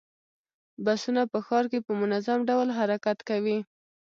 بسونه په ښار کې په منظم ډول حرکت کوي.